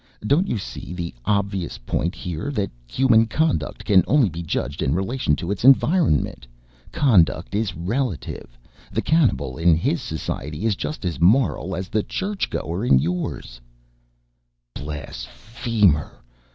Don't you see the obvious point here that human conduct can only be judged in relation to its environment? Conduct is relative. The cannibal in his society is just as moral as the churchgoer in yours." "Blasphemer!